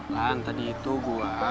lan tadi itu gue